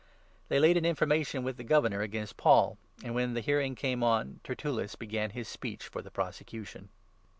They laid an information with the Governor against Paul ; and, when the hearing came on, 2 Tertullus began his speech for the prosecution.